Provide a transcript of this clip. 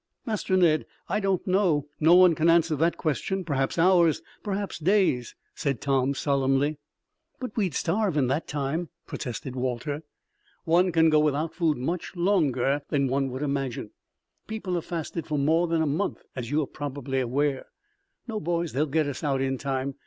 "Master Ned, I don't know. No one can answer that question. Perhaps hours perhaps days," said Tom solemnly. "But we'd starve in that time," protested Walter. "One can go without food much longer than one would imagine. People have fasted for more than a month, as you probably are aware. No, boys, they will get us out in time.